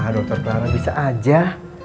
dokter kelar bisa aja